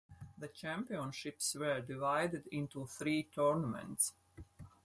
The championships were divided into three tournaments.